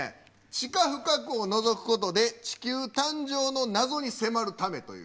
地下深くをのぞくことで地球誕生の謎に迫るためという。